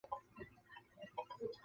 去洗温泉